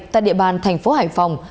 tại địa bàn thành phố hải phòng